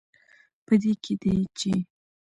په دې کې دی، چې